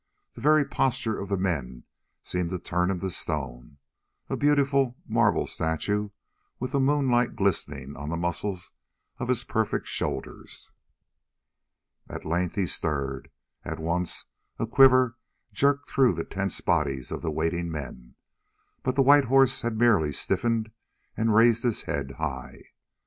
The very postures of the men seemed to turn him to stone, a beautiful, marble statue with the moonlight glistening on the muscles of his perfect shoulders. At length he stirred. At once a quiver jerked through the tense bodies of the waiting men, but the white horse had merely stiffened and raised his head high.